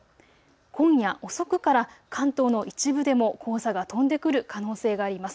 今夜遅くから関東の一部でも黄砂が飛んでくる可能性があります。